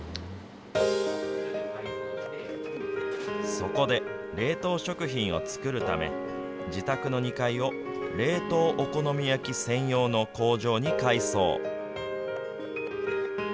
そこで、冷凍食品を作るため、自宅の２階を冷凍お好み焼き専用の工場に改装。